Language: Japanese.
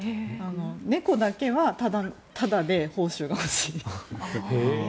猫だけはタダで報酬が欲しい。